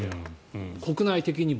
国内的にも。